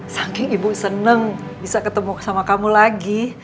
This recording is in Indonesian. saking ibu seneng bisa ketemu sama kamu lagi